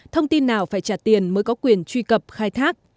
thông tin nào phải trả tiền mới có quyền truy cập khai thác